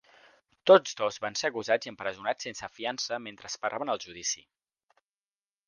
Tots dos van ser acusats i empresonats sense fiança mentre esperaven el judici.